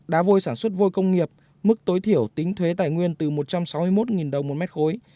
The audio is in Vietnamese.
đá vôi sản xuất vôi công nghiệp mức tối thiểu tính thuế tài nguyên từ một trăm sáu mươi một đồng một mét khối